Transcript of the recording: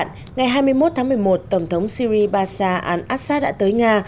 ngày hai mươi một tháng một mươi một tổng thống syri basa al assad đã tới nga